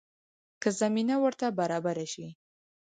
که زمینه ورته برابره شي.